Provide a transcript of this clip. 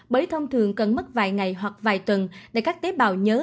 bởi thông thường cần mất vài ngày hoặc vài tuần để các tế bào nhớ